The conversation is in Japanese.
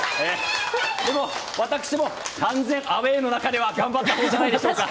でも私も完全アウェーの中では頑張ったほうではないでしょうか。